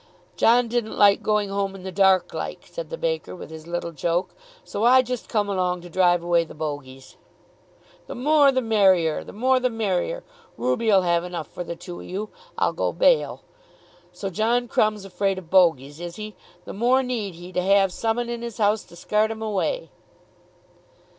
"John didn't like going home in the dark like," said the baker, with his little joke. "So I just come along to drive away the bogies." "The more the merrier; the more the merrier. Ruby 'll have enough for the two o' you, I'll go bail. So John Crumb's afraid of bogies; is he? The more need he to have some 'un in his house to scart 'em away."